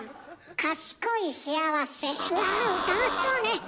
賢い幸せうわ楽しそうね！